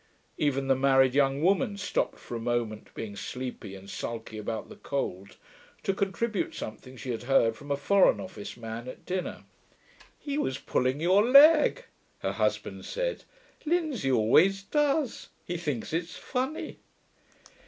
Even the married young woman stopped for a moment being sleepy and sulky about the cold to contribute something she had heard from a Foreign Office man at dinner. 'He was pulling your leg,' her husband said. 'Linsey always does; he thinks it's funny.'